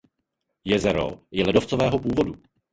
Jezero je ledovcového původu.